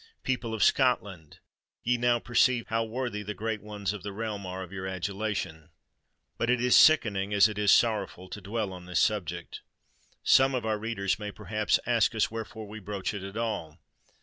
People of Scotland! ye now perceive how worthy the great ones of the realm are of your adulation! But it is sickening, as it is sorrowful, to dwell on this subject. Some of our readers may perhaps ask us wherefore we broach it at all?